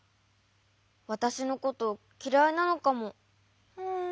わたしのこときらいなのかも。